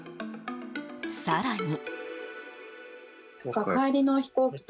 更に。